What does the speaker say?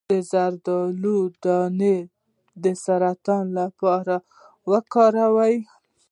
د زردالو دانه د سرطان لپاره وکاروئ